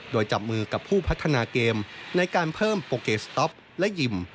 โดยจับมือกับผู้พัฒนาเกมในการเพิ่มโปเกสต๊อปและยิม